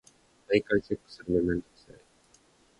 毎回チェックするのめんどくさい。